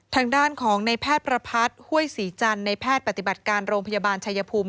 ทางด้านของนายแพทย์ประพัดห้วยสีจันนายแพทย์ปฏิบัติการโรงพยาบาลชัยภูมิ